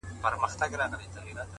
ذهن د تجربې له لارې وده کوي